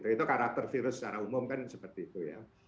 itu karakter virus secara umum kan seperti itu ya